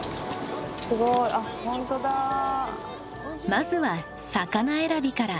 まずは魚選びから。